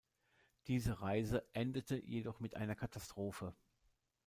Diese Reise endete jedoch mit einer Katastrophe.